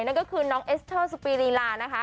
นั่นก็คือน้องเอสเตอร์สุปีรีลานะคะ